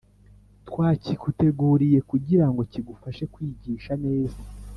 Twakiguteguriye kugira ngo kigufashe kwigisha neza